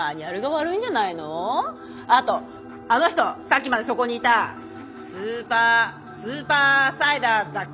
あとあの人さっきまでそこにいたスーパースーパーサイダーだっけ？